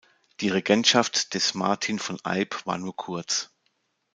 Die Regentschaft des Martin von Eyb war nur kurz.